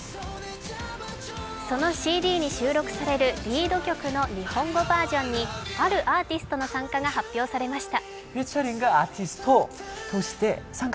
そのＣＤに収録されるリード曲の日本語バージョンにあるアーティストの参加が発表されました。